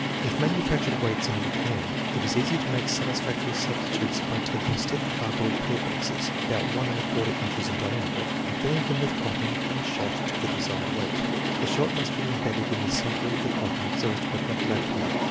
1 If manufactured weights are not at hand, it is easy to make satisfactory substitutes by taking stiff cardboard pill boxes, about 1^4 inches in diameter, and filling them with cotton and shot to the desired weight. The shot must be embedded in the center of the cotton so as to prevent rattling.